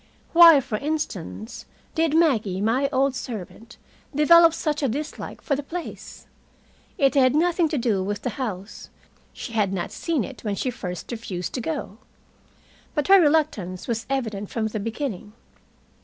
Why, for instance, did Maggie, my old servant, develop such a dislike for the place? It had nothing to do with the house. She had not seen it when she first refused to go. But her reluctance was evident from the beginning.